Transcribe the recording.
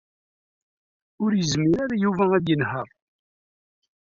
Ur yezmir ara Yuba ad yenheṛ.